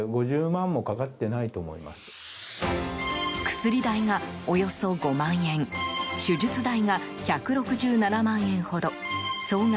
薬代がおよそ５万円手術代が１６７万円ほど総額